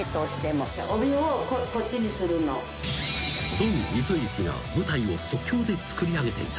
［ドン糸之が舞台を即興で作りあげていた？］